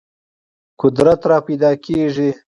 قدرت راپیدا کېږي.